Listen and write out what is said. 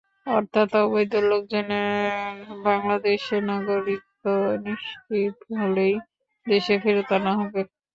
অর্থাৎ, অবৈধ লোকজনের বাংলাদেশের নাগরিকত্ব নিশ্চিত হলেই দেশে ফেরত আনা হবে।